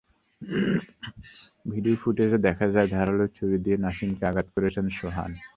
Video ফুটেজে দেখা যায়, ধারালো ছুরি দিয়ে নাসিমকে আঘাত করেছেন সোহান।